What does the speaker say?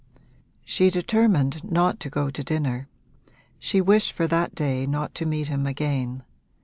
IV She determined not to go to dinner she wished for that day not to meet him again.